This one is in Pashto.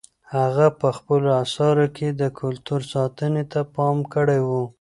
هغه په خپلو اثارو کې د کلتور ساتنې ته پام کړی و.